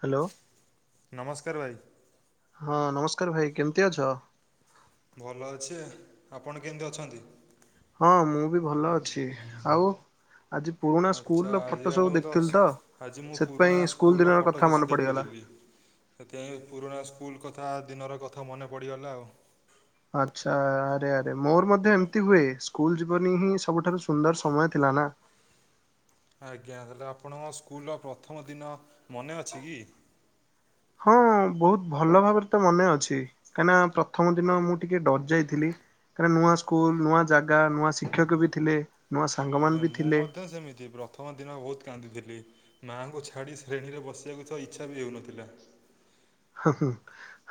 Hello ନମସ୍କାର ଭାଇ ହଁ ନମସ୍କାର ଭାଇ କେମିତି ଅଛ ଭଲ ଅଛି ଆପଣ କେମିତି ଅଛନ୍ତି ହଁ ମୁଁ ବି ଭଲ ଅଛି ଆଉ? ଆଜି ପୁରୁଣା ଆଚ୍ଛା ସ୍କୁଲର ଫଟୋ ଆଜିକାଲି ସବୁ ମୁଁ ଦେଖିଥିଲି ତ ଆଜି ମୁଁ ସେଥିପାଇଁ ପୁରୁଣା ସ୍କୁଲ ସ୍କୁଲର ଦିନର ଫଟୋ କଥା କିଛି ମନେ ପଡିଗଲା। ଦେଖୁଥିଲି। ସେଥିପାଇଁ ପୁରୁଣା ସ୍କୁଲ କଥା ଦିନର କଥା ମନେ ପଡ଼ିଗଲା ଆଉ। ଆଛା ଆରେ ଆରେ ମୋର ମଧ୍ୟ ଏମିତି ହୁଏ ସ୍କୁଲ ଜୀବନ ହିଁ ସବୁଠାରୁ ସୁନ୍ଦର ସମୟ ଥିଲା। ହେଲା। ଆଜ୍ଞା ହେଲେ ଆପଣଙ୍କ ସ୍କୁଲର ପ୍ରଥମ ଦିନ ମନେ ଅଛି କି? ହଁ ବହୁତ ଭଲ ଭାବରେ ତ ମନେ ଅଛି କାହିଁକିନା ପ୍ରଥମ ଦିନ ମୁଁ ଟିକେ ଡରି ଯାଇଥିଲି। ନୂଆ ସ୍କୁଲ ନୂଆ ଜାଗା ନୂଆ ଶିକ୍ଷକ ବି ଥିଲେ। ନୂଆ ସାଙ୍ଗମାନେ ଆଜ୍ଞା ବି ମୁଁ ଥିଲେ। ମଧ୍ୟ ସେମିତି ପ୍ରଥମ ଦିନ ବହୁତ କାନ୍ଦିଥିଲି। ମାଆଙ୍କୁ ଛାଡ଼ି ଶ୍ରେଣୀରେ ବସିବାକୁ ଇଚ୍ଛା ବି ହେଉନଥିଲା। ହଁ ହଁ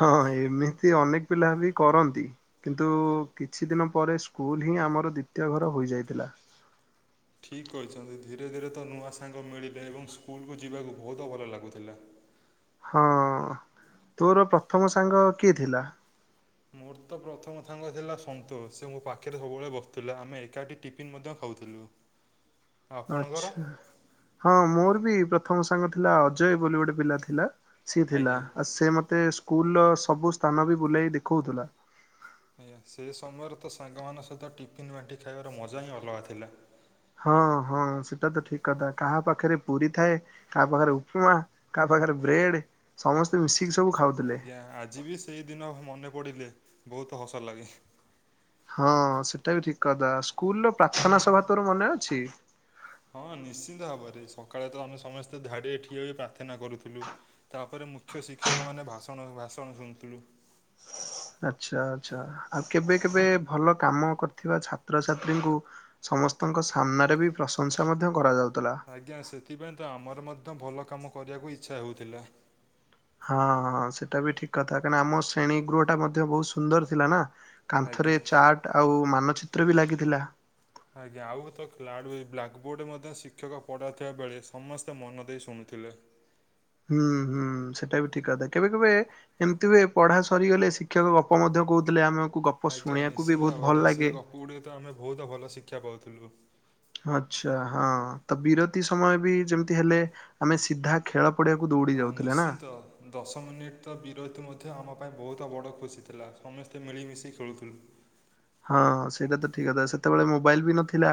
ହଁ ଏମିତି ଅନେକ ପିଲା ବି କରନ୍ତି କିନ୍ତୁ କିଛି ଦିନ ପରେ ସ୍କୁଲ ହିଁ ଆମର ଦ୍ୱିତୀୟ ଘର ହୋଇଯାଇଥିଲା। ଠିକ କହିଛନ୍ତି ଧୀରେ ଧୀରେ ତ ନୂଆ ସାଙ୍ଗ ମିଳିବେ ଏବଂ ସ୍କୁଲକୁ ଯିବାକୁ ବହୁତ ଭଲ ଲାଗୁଥିଲା। ହଁ ତୋର ପ୍ରଥମ ସାଙ୍ଗ କିଏ ଥିଲା? ମୋର ତ ପ୍ରଥମ ସାଙ୍ଗ ଥିଲା ସନ୍ତୋଷ ସେ ମୋ ପାଖରେ ସବୁବେଳେ ବସୁଥିଲା ଆମେ ଏକାଠି ଟିଫିନ ମଧ୍ୟ ଖାଉ ଖାଉଥିଲୁ। [inaudible] ଆପଣଙ୍କର? ଆଛା ହଁ ମୋର ବି ପ୍ରଥମ ସାଙ୍ଗ ଥିଲା ଅଜୟ ବୋଲି ଗୋଟେ ପିଲା ଥିଲା। ସିଏ ଥିଲା ଆଜ୍ଞା ଆ ସେ ମତେ ସ୍କୁଲର ସବୁ ସ୍ଥାନ ବି ବୁଲେଇ ଦେଖଉଥିଲା। ଆଜ୍ଞା ସେ ସମୟରେ ତ ସାଙ୍ଗମାନଙ୍କ ସହିତ ଟିଫିନ୍ ବାଣ୍ଟିି ଖାଇବାର ମଜା ହିଁ ଅଲଗା ଥିଲା। ହଁ ହଁ ସେଟା ତ ଠିକ କଥା କାହା ପାଖରେ ପୁରୀ ଥାଏ କାହା ପାଖରେ ଉପମା କାହା ପାଖ ବ୍ରେଡ ସମସ୍ତେ ମିଶି ଆଜ୍ଞା ଆଜି ବି ସେଇଦିନ ମନେ ପଡିଲେ ବହୁତ ହସ ଲାଗେ। ହଁ ସେଟା ବି ଠିକ କଥା ସ୍କୁଲର ପ୍ରାର୍ଥନା ସଭା ତୋର ମନେ ଅଛି। ହଁ ନିଶ୍ଚିନ୍ତ ଭାବରେ ସକାଳେ ତ ଆମେ ସମସ୍ତେ ଧାଡିରେ ଠିଆ ହୋଇ ପ୍ରାର୍ଥନା କରୁଥିଲୁ ତାପରେ ମୁଖ୍ୟ ଶିକ୍ଷକ ମାନେ ଭାଷଣ ଭାଷଣ ଶୁଣୁଥିଲୁ। [unintelligible] ଆଛା ଆଛା ଆଉ କେବେ କେବେ ଭଲ କାମ କରିଥିବା ଛାତ୍ରଛାତ୍ରୀଙ୍କୁ ସମସ୍ତଙ୍କ ସାମ୍ନାରେ ବି ପ୍ରଶଂସା ମଧ୍ୟ କରାଯାଉ ଆଜ୍ଞା ସେଥିପାଇଁ ତ ଆମର ମଧ୍ୟ ଭଲ କାମ କରିବାକୁ ଇଚ୍ଛା ହଉଥିଲା। ହଁ ହଁ ସେଟା ବି ଠିକ କଥା କାହିଁକିନା ଆମ ଶ୍ରେଣୀ ଗୃହ ଟା ମଧ୍ୟ ବହୁତ ସୁନ୍ଦର ଥିଲା ନା। କାନ୍ଥରେ ଆଜ୍ଞା। ଚାଟ ଆଉ ମାନଚିତ୍ର ବି ଲାଗିଥିଲା। ଆଜ୍ଞା ଆଉ ଗୋଟେ ଖେଳାଡ଼ି ବ୍ଲାକ୍ ବୋର୍ଡ ରେ ମଧ୍ୟ ଶିକ୍ଷକ ପଢା ଥିବା ବେଳେ ସମସ୍ତେ ମନ ଦେଇ ଶୁଣୁ ଥିଲେ। ହୁଁ ହୁଁ ସେଟା ବି ଠିକ କଥା କେବେ କେବେ ଏମିତି ହୁଏ ପଢା ସରିଗଲେ ଶିକ୍ଷକ ଗପ ମଧ୍ୟ କହୁଥିଲେ ଆମ ଆଜ୍ଞା ନିଶ୍ଚିନ୍ତ ଭାବରେ ସେ ଗପ ଗୁଡିକ ତ ଆମେ ବହୁତ ଭଲ ଶିକ୍ଷା ପାଉଥିଲୁ। ଆଛା ହଁ ତ ବିରତି ସମୟ ବି ଯେମିତି ହେଲେ ଆମେ ସିଧା ଖେଳ ପଡିଆକୁ ଦୌଡି ହଁ ଯାଉଥିଲେ ନା। ନିଶ୍ଚିନ୍ତ ଦଶ ମିନିଟ ତ ବିରତି ମଧ୍ୟ ଆମ ତ ବହୁତ ବଡ଼ ଖୁସି ଥିଲା ସମସ୍ତେ ମିଳିମିଶି ଖେଳୁଥିଲୁ। ହଁ ସେଇଟା ତ ଠିକ କଥା ସେତେବେଳେ ମୋବାଇଲ ବି ନଥିଲା।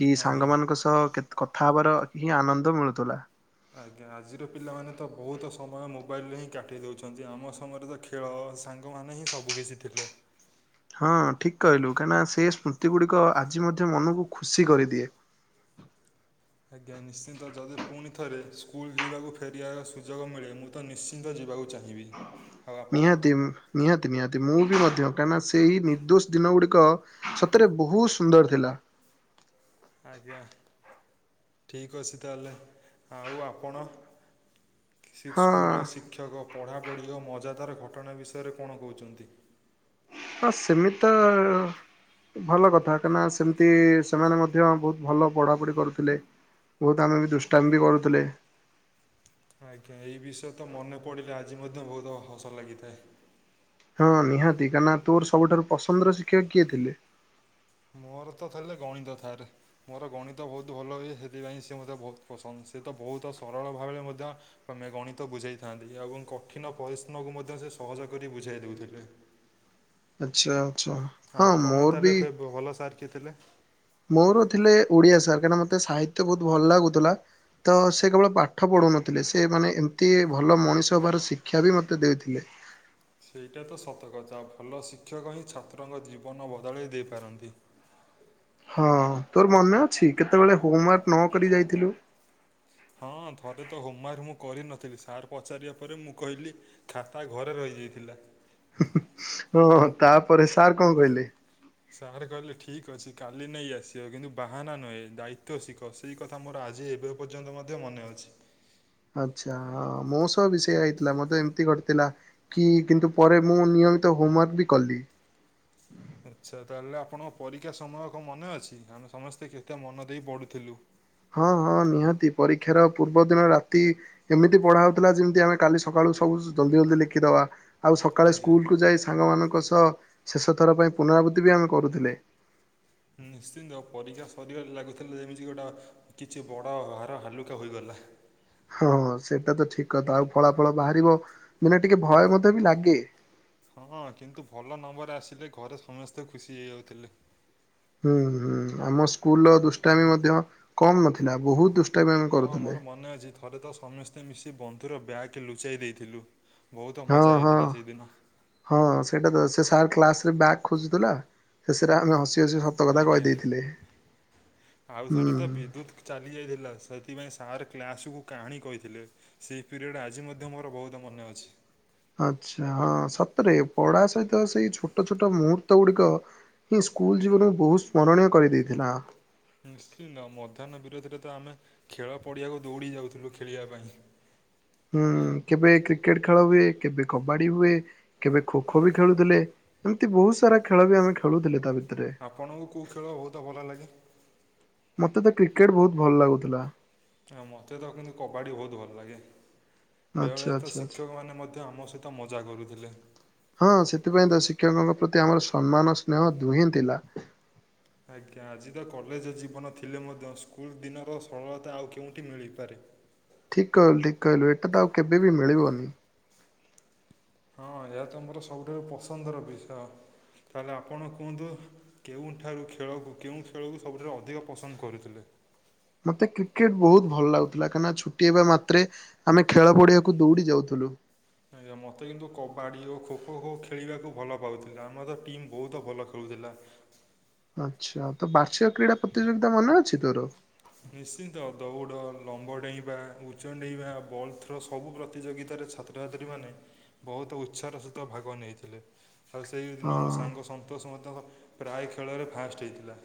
କି ସାଙ୍ଗ ଆଜ୍ଞା। ମାନଙ୍କ ସହ କଥା ହବାର ହିଁ ଆନନ୍ଦ ମିଳୁଥିଲା। ଆଜ୍ଞା ଆଜିର ପିଲାମାନେ ତ ବହୁତ ସମୟ ମୋବାଇଲରେ ହିଁ କାଟି ଦଉଛନ୍ତି ଆମ ସମୟରେ ତ ଖେଳ ସାଙ୍ଗମାନେ ହିଁ ସବୁ କିଛି ଥିଲେ। ହଁ ଠିକ କହିଲୁ କାହିଁକିନା ସେ ସ୍ମୃତି ଗୁଡିକ ଆଜି ମଧ୍ୟ ମନକୁ ଖୁସି କରିଦିଏ। [inaudible] ଆଜ୍ଞା ନିଶ୍ଚିନ୍ତ ଯଦି ପୁଣି ଥରେ ସ୍କୁଲ ଯିବାକୁ ଫେରିବାର ସୁଯୋଗ ମିଳେ ମୁଁ ତ ନିଶ୍ଚିନ୍ତ ଯିବାକୁ ଚାହିଁବି। ଆଉ ଆପଣ? ନିହାତି ନିହାତି ନିହାତି ମୁଁ ବି ମଧ୍ୟ କାହିଁକି ନା ସେଇ ନିର୍ଦ୍ଦୋଷ ଦିନ ଗୁଡିକ ସତରେ ବହୁତ ସୁନ୍ଦର ଥିଲା। ଆଜ୍ଞା। ଠିକ ଅଛି ତାହେଲେ। ଆଉ ଆପଣ ସେ ହଁ ସ୍କୁଲର ଶିକ୍ଷକ ପଢ଼ାପଢ଼ି ଓ ମଜାଦାର ଘଟଣା ବିଷୟରେ କଣ କହୁଚନ୍ତି? ହଁ ସେମିିତି ତ ଭଲ କଥା। କାହିଁକିନା ସେମିତି ସେମାନେ ମଧ୍ୟ ବହୁତ ଭଲ ପଢାପଢି କରୁଥିଲେ। ବହୁତ ଆମେ ବି ଦୁଷ୍ଟାମୀ ବି କରୁଥିଲେ। ଆଜ୍ଞା। ଏଇ ବିଷୟ ତ ମନେ ପଡିଲେ ଆଜି ମଧ୍ୟ ବହୁତ ହସ ଲାଗିଥାଏ। ହଁ ନିହାତି। କାହିଁକନା ତୋର ସବୁଠାରୁ ପସନ୍ଦର ଶିକ୍ଷକ କିଏ ଥିଲେ? ମୋର ତ ଥିଲେ ଗଣିତ ସାର। ମୋର ଗଣିତ ବହୁତ ଭଲ ହୁଏ ସେଥିପାଇଁ ସେ ମୋତେ ବହୁତ ପସନ୍ଦ। ସେ ତ ବହୁତ ସରଳ ଭାବରେ ମଧ୍ୟେ ଗଣିତ ବୁଝାଇଥାନ୍ତି। ଏବଂ କଠିନ ପରିଶ୍ରମକୁ ମଧ୍ୟ ସେ ସହଜ କରି ବୁଝାଇ ଦଉଥିଲେ। ଆଚ୍ଛା ଆଚ୍ଛା। ହଁ ଆପଣ ମୋର ତାହେଲେ ବି ଫେ- ଭଲ ସାର୍ କିଏ ଥିଲେ? ମୋର ଥିଲେ ଓଡିଆ ସାର୍। କାହିଁକନା ମୋତେ ସାହିତ୍ୟ ବହୁତ ଭଲ ଲାଗୁଥିଲା। ତ ସେ କେବଳ ପାଠ ପଢ଼ଉନଥିଲେ ସେ ମାନେ ଏମିତି ଭଲ ମଣିଷ ହେବାର ଶିକ୍ଷା ବି ମୋତେ ଦେଇଥିଲେ। [inaudible] ସେଇଟା ତ ସତକଥା। ଭଲ ଶିକ୍ଷକ ହିଁ ଛାତ୍ରଙ୍କ ଜୀବନ ବଦଳାଇ ଦେଇ ପାରନ୍ତି। ହଁ। ତୋର ମନେ ଅଛି କେତେବେଳେ ହୋମୱାର୍କ ନ କରି ଯାଇଥିଲୁ। ହଁ ଥରେ ତ ହୋମୱାର୍କ ମୁଁ କରି ନଥିଲି। ସାର ପଚାରିବା ପରେ ମୁଁ କହିଲି ଖାତା ଘରେ ରହି ହେଇଥିଲା। ହଁ ହଁ ତାପରେ ସାର୍ କଣ କହିଲେ? ସାର୍ କହିଲେ ଠିକ୍ ଅଛି କାଲି ନେଇ ଆସିବ। କିନ୍ତୁ ବାହାନା ନୁହେଁ ଦାୟିତ୍ଵ ଶିଖ। ସେଇ କଥା ମୋର ଆଜ ଆଜି ଏବେ ପର୍ଯ୍ୟନ୍ତ ମଧ୍ୟ ମନେ ଅଛି। ଆଚ୍ଛା। ହଁ ମୋ ସହ ବି ସେୟା ହେଇଥିଲା। ମତେ ଏମିତି ଘଟିଥିଲା କି କିନ୍ତୁ ପରେ ମୁଁ ନି ହୋମୱାର୍କ ବି କଲି। ଆଚ୍ଛା। ତାହେଲେ ଆପଣଙ୍କ ପରୀକ୍ଷା ସମୟ କଣ ମନେ ଅଛି ଆମେ ସମସ୍ତେ କେତେ ମନ ଦେଇ ପଢୁଥିଲୁ। ହଁ ହଁ ନିହାତି। ପରୀକ୍ଷାର ପୂର୍ବ ଦିନ ରାତି ଏମିତି ପଢା ହଉଥିଲା ଯେମିତି ଆମେ କାଲି ସକାଳ ସବୁ ଜଲଦି ଜଲଦି ଲେଖିଦେବା। ଆଉ ସକାଳେ ଆଜ୍ଞା ସ୍କୁଲ କୁ ଯାଇ ସାଙ୍ଗମାନଙ୍କ ସହ ତ ଶେଷ ଥର ପାଇଁ ପୁନରାବୃତ୍ତି ବି ଆମେ କରୁଥିଲେ। ନିଶ୍ଚିନ୍ତ, ପରୀକ୍ଷା ସରିବାରେ ଲାଗୁଥିଲା ଯେମିତି ଗୋଟେ କିଛି ବଡ ଭାର ହାଲୁକା ହୋଇଗଲା। [inaudible] ହଁ ସେଇଟା ତ ଠିକ କଥା ଆଉ ଫଳାଫଳ ବାହାରିବ ମାନେ ଟିକେ ଭୟ ମଧ୍ୟେ ବି ଲାଗେ। ଥିଲେ ଘରେ ସମସ୍ତେ ଖୁସି ହେଇଯାଉଥିଲେ। ହୁଁ ହୁଁ ଆମ ସ୍କୁଲ ର ଦୁଷ୍ଟାମି ମଧ୍ୟ କମ ନଥିଲା। ବହୁତ ଦୁ ହଁ ମୋର ମନେ ଅଛି ଥରେ ତ ସମସ୍ତେ ମିଶି ବନ୍ଧୁର ବ୍ୟାଗ୍ ଲୁଚାଇ ଦେଇଥିଲୁ। ବହୁତ ହଁ ମଜା ହଁ ହେଇଥିଲା ସେଇଦିନ ହଁ ସେଇଟା ତ ସେ ସାର୍ କ୍ଲାସରେ ବ୍ୟାଗ୍ ଖୋଜୁଥିଲା। ଶେଷରେ ଆମେ ହସି ହସି ସତ କଥା ଆଜ୍ଞା। କହିଦେଇଥିଲେ ଆଉଥରେ ତ ହୁଁ ବିଦ୍ୟୁତ ଚାଲି ଯାଇଥିଲା। ସେଥିପାଇଁ ସାର୍ କ୍ଲାସକୁ କାହାଣୀ କହିଥିଲେ। ସେହି ପିରିୟଡ଼ ଆଜି ମଧ୍ୟ ମୋର ବହୁତ ମନେ ଅଛି। ଆଚ୍ଛା। ହଁ ସତରେ ପଢା ସହିତ ସେଇ ଛୋଟ ଛୋଟ ମୁହୂର୍ତ୍ତ ଗୁଡିକ ହିଁ ସ୍କୁଲ ଜୀବନକୁ ବହୁତ ସ୍ମରଣୀୟ କରିଦେଇଥିଲା। ନିଶ୍ଚିନ୍ତ। ମଧ୍ୟାହ୍ନ ବିରୋଧରେ ତ ଆମେ ଖେଳ ପଡିଆକୁ ଦୌଡି ଯାଉଥିଲୁ ଖେଳିବା ପାଇଁ। ହୁଁ, କେବେ କ୍ରିକେଟ ଖେଳ ହୁଏ। କେବେ କବାଡି ହୁଏ। କେବେ ଖୋଖୋ ବି ଖେଳୁଥିଲେ। ଏମିତି ବହୁତ ସାରା ଖେଳ ବି ଆମେ ଖେଳୁଥିଲେ ତା ଭି ଆପଣଙ୍କୁ କୋଉ ଖେଳ ବହୁତ ଭଲ ଲାଗେ? ମତେ ତ କ୍ରିକେଟ ବହୁତ ଭଲ ଲାଗୁଥିଲା। ଆ ମତେ ତ କିନ୍ତୁ କବାଡି ବହୁତ ଭଲ ଲାଗେ। ଆଚ୍ଛା ବେଳେବେଳେ ତ ଆଚ୍ଛା ଆଚ୍ଛା। ଶିକ୍ଷକ ମାନେ ମଧ୍ୟ ଆମ ସହିତ ମଜା କରୁଥିଲେ। ହଁ ସେଥିପାଇଁ ତ ଶିକ୍ଷକଙ୍କ ପ୍ରତି ଆମର ସମ୍ମାନ ସ୍ନେହ ଦୁହେଁ ଥିଲା। ଆଜ୍ଞା। ଆଜି ତ କଲେଜ ଜୀବନ ଥିଲେ ମଧ୍ୟ ସ୍କୁଲ ଦିନର ସରଳତା ଆଉ କେଉଁଠି ମିଳିପାରେ। ଠିକ କହିଲୁ ଠିକ କହିଲୁ ଏଇଟା ତ ଆଉ କେବେ ବି ମିଳିବନି ହଁ ଏହା ତମର ସବୁଠାରୁ ପସନ୍ଦର ବିଷୟ ତାହେଲେ ଆପଣ କୁହନ୍ତୁ କେଉଁଠାରୁ ଖେଳକୁ କେଉଁ ଖେଳକୁ ସବୁଠାରୁ ଅଧିକ ପସନ୍ଦ କରୁଥିଲେ ମତେ କ୍ରିକେଟ ବହୁତ ଭଲ ଲାଗୁଥିଲା କାହିଁକିନା ଛୁଟି ହେବା ମାତ୍ରେ ଆମେ ଖେଳ ପଡିିବାକୁ ଦୌଡି ଯାଉଥିଲୁ। ଆଜ୍ଞା ମତେ କିନ୍ତୁ କବାଡି ହଉ ଖୋଖୋ ହୋ ଖେଳିବାକୁ ଭଲ ପାଉଥିଲ ଆମର ତ ଟିମ୍ ବହୁତ ଭଲ ଖେଳୁୁ ଖେଳୁଥିଲା। ଆଚ୍ଛା ତ ବାର୍ଷିକ କ୍ରୀଡ଼ା ପ୍ରତିଯୋଗିତା ମନେ ଅଛି ତୋର। ନିଶ୍ଚିନ୍ତ ଦୌଡ଼ ଲମ୍ବ ଡେଇଁବା ଉଚ୍ଚ ଡେଇଁବା ବଲ୍ ଥ୍ରୋ ସବୁ ପ୍ରତିଯୋଗିତାରେ। ଛାତ୍ରଛାତ୍ରୀ ମାନେ ବହୁତ ଉତ୍ସାହ ସହିତ ଭାଗ ନେଇଥିଲେ। ଆଉ ସେଇଦିନ ମୋ ହଁ ସାଙ୍ଗ ସନ୍ତୋଷ ମଧ୍ୟ ପ୍ରାୟ ଖେଳରେ ଫାଷ୍ଟ ହେଇଥିଲା।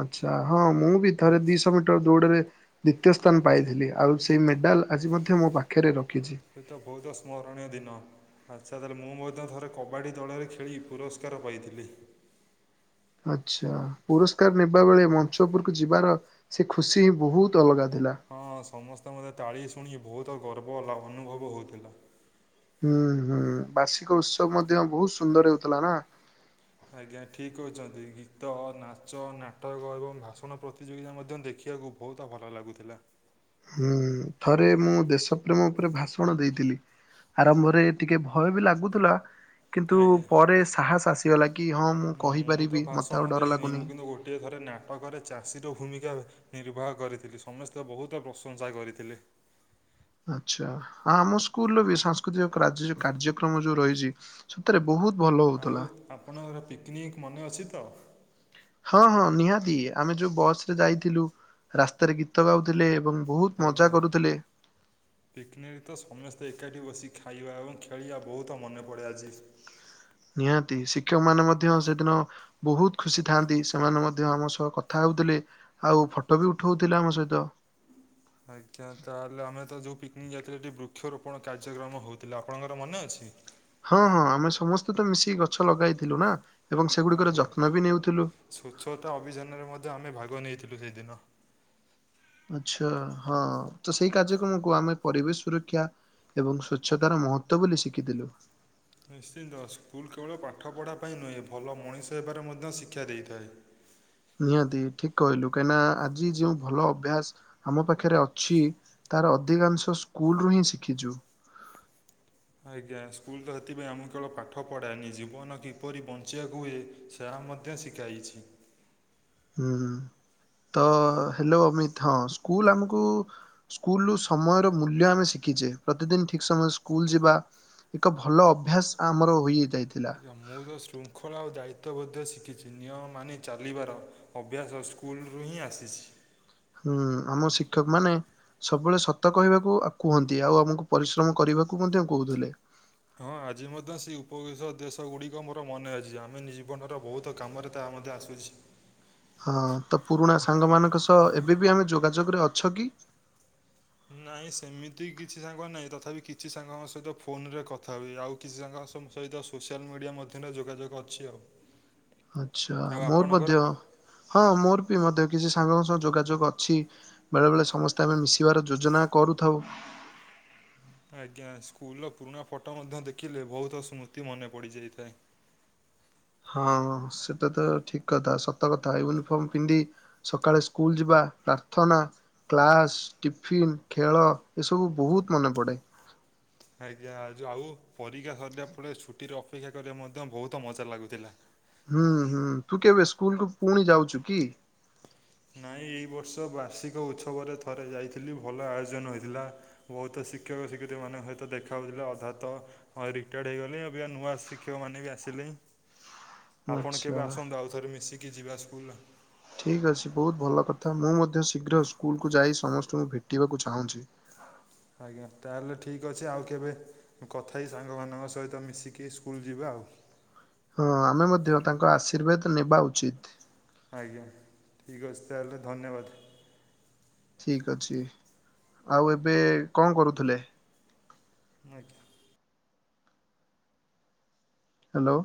ଆଚ୍ଛା ହଁ ମୁଁ ବି ଥରେ ଦିଶହ ମିଟର ଦୌଡରେ ଦ୍ଵିତୀୟ ସ୍ଥାନ ପାଇଥିଲି ଆଉ ସେଇ ମେଡାଲ୍ ଆଜି ମଧ୍ୟ ମୋ ପାଖରେ ରଖ ସେତ ବହୁତ ସ୍ମରଣୀୟ ଦିନ। ଆଚ୍ଛା ତାହେଲେ ମୁଁ ମଧ୍ୟ ଥରେ କବାଡ଼ି ଦଳରେ ଖେଳି ପୁରସ୍କାର ପାଇଥିଲି। ଆଚ୍ଛା ପୁରସ୍କାର ନେବା ବେଳେ ମଞ୍ଚପୁରକୁ ଯିବାର ସେ ଖୁସି ହିଁ ବହୁତ ଅଲଗା। ଥିଲା। ହଁ ସମସ୍ତେ ମତେ ତାଳି ଶୁଣି ବହୁତ ଗର୍ବଲା ଅନୁଭବ ହଉଥିଲା। ହୁଁ ହୁଁ ବାର୍ଷିକ ଉତ୍ସବ ମଧ୍ୟ ବହୁତ ସୁନ୍ଦର ହଉଥିଲା ନା। ଆଜ୍ଞା ଠିକ କହୁଛନ୍ତି ଗୀତ ନାଚ ନାଟକ ଏବଂ ଭାଷଣ ପ୍ରତିଯୋଗିତା ମଧ୍ୟ ଦେଖି। ଦେଖିବାକୁ ବହୁତ ଭଲ ଲାଗୁଥିଲା। ହୁଁ ଥରେ ମୁଁ ଦେଶ ପ୍ରେମ ଉପରେ ଭାଷଣ ଦେଇଥିଲି। ଆରମ୍ଭରେ ଟିକେ ଭୟ ବି ଲାଗୁଥିଲା। କିନ୍ତୁ ଆଜ୍ଞା ପରେ ସାହସ ଆସିଗଲା କି ହଁ ମୁଁ କହିପାରିବି ମତେ ଆଉ ଡର ଲାଗୁନି। ନା ପାକରେ ଚାଷୀର ଭୂମିକା। ନିର୍ବାହ କରିଥିଲି ସମସ୍ତେ ବହୁତ ପ୍ରଶଂସା କରିଥିଲେ। ଆଛା ଆମ ସ୍କୁଲର ବି ସାଂସ୍କୃତିକ କାର୍ଯ୍ୟକ୍ରମ ଯୋଉ ରହିଛି ସେଥିରେ ବହୁତ ଭଲ ହଉଥିଲା ଆଉ ଆପଣଙ୍କର ପିକନିକ ମନେ ଅଛି ତ। ହଁ ହଁ ନିହାତି ଆମେ ଯୋଉ ବସ ରେ ଯାଇଥିଲୁ ରାସ୍ତାରେ ଗୀତ ଗାଉଥିଲେ ଏବଂ ବହୁତ ମଜା ଆଜ୍ଞା କରୁଥିଲେ ପିକନିକରେ ତ ସମସ୍ତେ ଏକାଠି ବସି ଖାଇବା ଏବଂ ଖେଳିବା ବହୁତ ମନେ ପଡ଼େ ଆଜି ନିହାତି ଶିକ୍ଷକ ମାନେ ମଧ୍ୟ ସେଦିନ ବହୁତ ଖୁସି ଥାଆନ୍ତି ସେମାନେ ମଧ୍ୟ ଆମ ସହ କଥା ଆଉ ଫଟୋ ବି ଉଠଉଥିଲେ ଆମ ସହିତ। ମୁଁ ଯେତେବେଳେ ଏଟିି ବୃକ୍ଷରୋପଣ କାର୍ଯ୍ୟକ୍ରମ ହେଉଥିଲା ଆପଣଙ୍କର ମନେ ଅଛି। ହଁ ହଁ ଆମେ ସମସ୍ତେ ତ ମିଶିକି ଗଛ ଲଗାଇଥିଲୁ ନା। ଏବଂ ସେଗୁଡ଼ିକର ଆଜ୍ଞା ଯତ୍ନ ବି ନେଉଥିଲୁ ସ୍ୱଚ୍ଛତା ଅଭିଯାନରେ ମଧ୍ୟ ଆମେ ଭାଗ ନେଇ ଥିଲୁ ସେଇ ଦିନ। ଆଚ୍ଛା ହଁ ତ ସେଇ କାର୍ଯ୍ୟକ୍ରମକୁ ଆମେ ପରିବେଶ ସୁରକ୍ଷା। ଏବଂ ସ୍ବଚ୍ଛତାର ମହତ୍ଵ ବୋଲି ଶିଖିଥିଲୁ। ନିଶ୍ଚିନ୍ତ ସ୍କୁଲ କେବଳ ପାଠ ପଢ଼ା ପାଇଁ ନୁହେଁ ଭଲ ମଣିଷ ହେବାରେ ମଧ୍ୟ ଶିକ୍ଷା ଦେଇଥାଏ। ନିହାତି ଠିକ କହିଲୁ କାହିଁକି ନା ଆଜି ଯୋଉ ଭଲ ଅଭ୍ୟାସ ଆମ ପାଖରେ ଅଛି ତାର ଅଧିକାଂଶ ସ୍କୁଲ ରୁ ହିଁ ଶିଖିଛୁ। ଆଜ୍ଞା ସ୍କୁଲ ତ ସେଥିପାଇଁ ଆମକୁ କେବଳ ପାଠ ପଢାନି ଜୀବନ କିପରି ବଞ୍ଚିବାକୁ ହୁଏ ସେ ମଧ୍ୟ ଶିଖାଇଛି। ହୁଁ। ତ ହ୍ୟାଲୋ ଅମିତ ହଁ ସ୍କୁଲ ଆମକୁ ସ୍କୁଲୁ ସମୟର ମୂଲ୍ୟ ଆମେ ଶିଖିବା। ଶିଖିଚେ ପ୍ରତିଦିନ ଠିକ ସମୟ ସ୍କୁଲ ଯିବା ଏକ ଭଲ ଅଭ୍ୟାସ ଆମର ହୋଇଯାଇଛି। ଏା ମୁଁ ତ ଶୃଙ୍ଖଳା ଆଉ ଦାୟିତ୍ଵ। ତବଦ୍ ଶିଖିଛି ନିୟମ ମାନି ଚାଲିବାର ଅଭ୍ୟାସ ସ୍କୁଲ୍ରୁ ହିଁ ଆସିଛି। ହୁଁ ଆମ ଶିକ୍ଷକ ମାନେ ସବୁବେଳେ ସତ କହିବାକୁ ଆଉ କୁହନ୍ତି ଆଉ ଆମକୁ ପରିଶ୍ରମ କରିବାକୁ ମଧ୍ୟ କହୁଥିଲେ। ହଁ ଆଜି ମଧ୍ୟ ସେଇ ଉପବେଶ ଦେଶ ଗୁଡିକ ମୋର ମନେ ଅଛି ଆମେ ଜୀବନର ବହୁତ କାମରେ ତା ମଧ୍ୟ ଆସୁଝି। ହଁ ତ ପୁରୁଣା ସାଙ୍ଗ ମାନଙ୍କ ସହ ଏବେ ବି ଆମେ ଯୋଗାଯୋଗରେ ଅଛ କି? ନାଇଁ ସେମିତି କିଛି ସାଙ୍ଗ ନାଇଁ ତଥାପି କିଛି ସାଙ୍ଗଙ୍କ ସହିତ ଫୋନ ରେ କଥା ହୁଏ। ଆଉ କିଛି ସାଙ୍ଗ ତା ସମ୍ ସହିତ ସୋସିଆଲ ମିଡ଼ିଆ ମଧ୍ୟରେ ଯୋଗାଯୋଗ ଅଛି ଆଉ। ଆଛା ଆଉ ମୋର ମଧ୍ୟ ଆପଣଙ୍କର ହଁ ମୋର ବି ମଧ୍ୟ କିଛି ସାଙ୍ଗଙ୍କ ସହ ଯୋଗାଯୋଗ ଅଛି ବେଳେ ବେଳେ ସମସ୍ତେ ଆମେ ମିଶିବାର ଯୋଜନା କରୁଥାଉ। ଆଜ୍ଞା ସ୍କୁଲର ପୁରୁଣା ଫଟୋ ମଧ୍ୟ ଦେଖିଲେ ବହୁତ ସ୍ମୃତି ମନେ ପଡିଯାଇଥାଏ। [unintelligible] ହଁ ସେଟା ତ ଠିକ କଥା ସତ କଥା ୟୁନିଫର୍ମ ପିନ୍ଧି ସକାଳେ ସ୍କୁଲ ଯିବା ପ୍ରାର୍ଥନା, କ୍ଲାସ, ଟିଫନ୍, ଖେଳ ଏସବୁ ବହୁତ ମନେ ପଡେ। ହ [unintelligible] ଆଜ୍ଞା ଯୋ ଆଉ ପରୀକ୍ଷା ସରିଲା ପରେ ଛୁଟିରେ ଅପେକ୍ଷା କରିବା ମଧ୍ୟ ବହୁତ ମଜା ଲାଗୁଥିଲା। ହୁଁ ହୁଁ ତୁ କେବେ ସ୍କୁଲ କୁ ପୁଣି ଯାଉଚୁ କି? ନାଇଁ ଏଇ ବର୍ଷ ବାର୍ଷିକ ଉତ୍ସବରେ ଥରେ ଯାଇଥିଲି ଭଲ ଆୟୋଜନ ହୋଇଥିଲା ବୋହୁତ ଶିକ୍ଷକ ଶିକ୍ଷତ୍ରୀ ମାନେ ସହିତ ଦେଖା ହୋଉଥିଲା ଅଧା ତ ରିଟାର୍ଡ଼ ହେଇଗଲେ ଅବିକା ନୂଆ ଶିକ୍ଷକମାନେ ବି ଆସି ଥିଲେ। ହଁ [unintelligible] ଆପଣ କେବେ ଆସନ୍ତୁ ଆଉ ଥରେ ମିଶିକି ଯିବା ସ୍କୁଲ। ଠିକ ଅଛି ବହୁତ ଭଲ କଥା ମୁଁ ମଧ୍ୟ ଶୀଘ୍ର ସ୍କୁଲକୁୁ ଯାଇ ସମସ୍ତଙ୍କୁ ଭେଟିବାକୁ ଚାହୁଁଛି। ଆଜ୍ଞା ତାହେଲେ ଠିକ୍ ଅଛି ଆଉ କେବେ କଥା ହେଇ ସାଙ୍ଗମାନାନଙ୍କ ସହିତ ମିଶିକି ସ୍କୁଲ ଯିବା। ଆଉ। ହଁ ଆମେ ମଧ୍ୟ ତାଙ୍କ ଆଶୀର୍ବାଦ ନେବା ଉଚିତ। ଆଜ୍ଞା ଠିକ୍ ଅଛି ତାହେଲେ ଧନ୍ୟବାଦ। ଠିକ ଅଛି ଆଉ ଏବେ କଣ କରୁଥିଲେ? ଆଜ୍ଞା। ହାଲୋ।